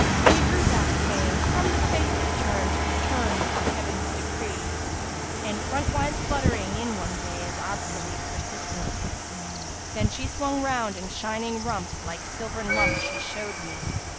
She drew back, saying, 'From the Faith * He turns, who's turned by Heaven's decree![FN#344] And front wise fluttering, in one day, * Is obsolete persistency!' Then swung she round and shining rump * Like silvern lump she showed me!